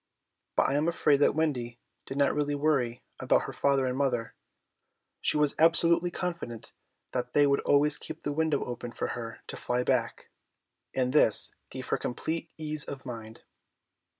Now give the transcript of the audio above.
But I am afraid that Wendy did not really worry about her father and mother; she was absolutely confident that they would always keep the window open for her to fly back by, and this gave her complete ease of mind.